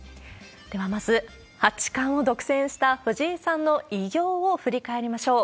ではまず、八冠を独占した藤井さんの偉業を振り返りましょう。